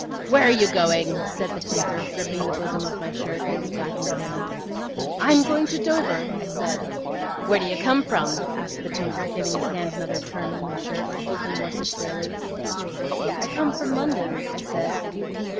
'Where are you going?' said the tinker, gripping the bosom of my shirt with his blackened hand. 'I am going to Dover,' I said. 'Where do you come from?' asked the tinker, giving his hand another turn in my shirt, to hold me more securely. 'I come from London,' I said.